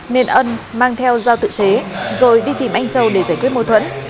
nên ân mang theo giao tự chế rồi đi tìm anh châu để giải quyết mâu thuẫn